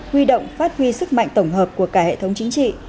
huy động phát huy sức mạnh tổng hợp của cả hệ thống chính trị